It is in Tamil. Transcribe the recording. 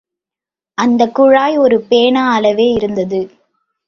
அந்தக் குழாய் ஒரு பேனா அளவே இருந்தது.